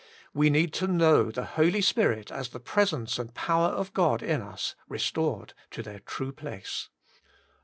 We need to know the Holy Spirit as the Presence and Power of God in us restored to their true place.